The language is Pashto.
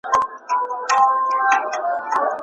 د مذهب ازادي د هر انسان شخصي حق دی.